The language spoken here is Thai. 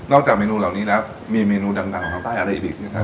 นอกจากเมนูเหล่านี้แล้วมีเมนูดำดังของทางใต้อะไรอีก